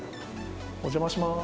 お邪魔します。